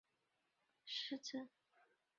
明岑贝尔格是德国黑森州的一个市镇。